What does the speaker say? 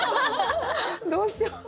どうしよう。